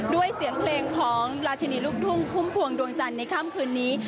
ด้วยเสียงเพลงของราชินีลูกทุ่งพุ่มพวงดวงจันทร์ในค่ำคืนนี้